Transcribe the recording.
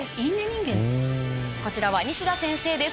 こちらは西田先生です。